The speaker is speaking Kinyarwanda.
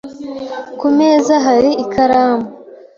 Ku meza hari ikaramu .